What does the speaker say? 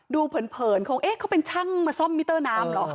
ดูเผินเขาเป็นช่างมาซ่อมมิเตอร์น้ำหรอ